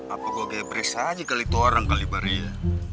apa gua gebres aja kali itu orang kali bar ya